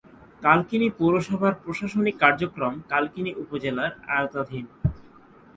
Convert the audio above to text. কালকিনি পৌরসভার প্রশাসনিক কার্যক্রম কালকিনি উপজেলার আওতাধীন।